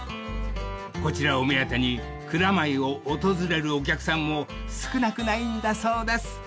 ［こちらを目当てに蔵前を訪れるお客さんも少なくないんだそうです］